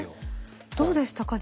どうでしたか？